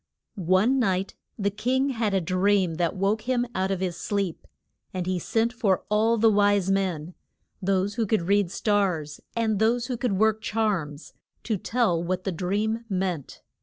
One night the king had a dream that woke him out of his sleep. And he sent for all the wise men those who could read stars, and those who could work charms to tell what the dream meant.